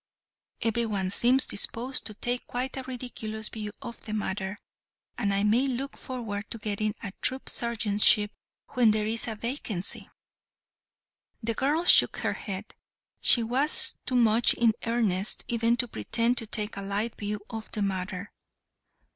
Every one seems disposed to take quite a ridiculous view of the matter, and I may look forward to getting a troop sergeantship when there is a vacancy." The girl shook her head. She was too much in earnest even to pretend to take a light view of the matter.